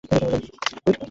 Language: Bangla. ভাই তোকে ডাকছে।